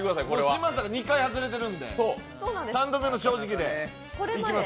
嶋佐が２回外れているんで、三度目の正直でいきます。